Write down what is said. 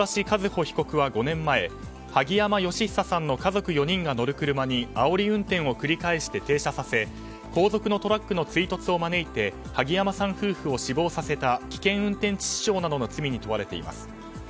和歩被告は５年前萩山嘉久さんの家族４人が乗る車にあおり運転を繰り返して停車させ後続のトラックの追突を招いて萩山さん夫婦を死亡させた危険運転致死傷などの罪に問われています。